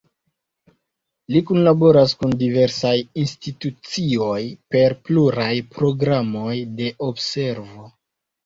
Li kunlaboras kun diversaj institucioj per pluraj programoj de observo.